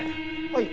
はい。